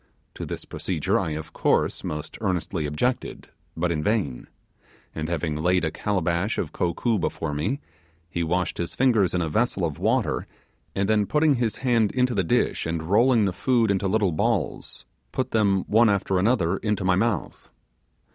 To this procedure I, of course, most earnestly objected, but in vain; and having laid a calabash of kokoo before me, he washed his fingers in a vessel of water, and then putting his hands into the dish and rolling the food into little balls, put them one after another into my mouth.